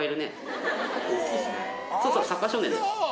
そうそう。